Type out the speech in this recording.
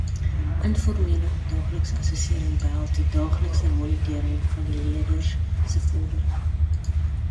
Informele of daaglikse assessering behels die daaglikse monitering van die leerders se vordering.